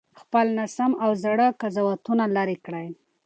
خپل ناسم او زاړه قضاوتونه لرې کړئ.